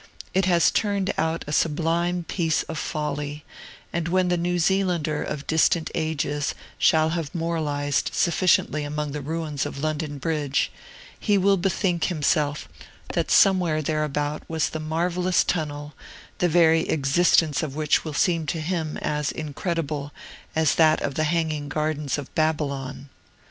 It has turned out a sublime piece of folly; and when the New Zealander of distant ages shall have moralized sufficiently among the ruins of London Bridge, he will bethink himself that somewhere thereabout was the marvellous Tunnel, the very existence of which will seem to him as incredible as that of the hanging gardens of Babylon.